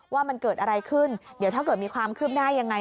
ว่ามันเกิดอะไรขึ้นเดี๋ยวถ้าเกิดมีความคืบหน้ายังไง